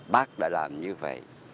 bác đã làm như vậy